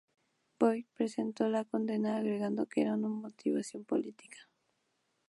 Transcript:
Voigt protestó por la condena, alegando que era una motivación política.